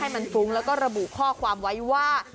มันฟุ้งแล้วก็ระบุข้อความไว้ว่า